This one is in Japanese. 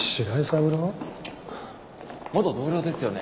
元同僚ですよね？